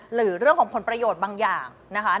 หรือเรื่องของผลประโยชน์บางอย่างนะคะ